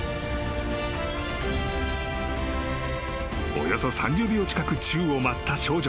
［およそ３０秒近く宙を舞った少女］